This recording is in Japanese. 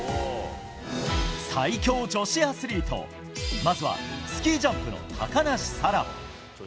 最強女子アスリートまずはスキージャンプの高梨沙羅。